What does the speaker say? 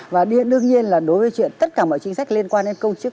và đương nhiên là đối với chuyện tất cả mọi chính sách liên quan đến công chức